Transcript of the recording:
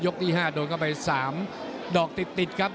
ยกที่๕โดนไป๓ดอกติดครับ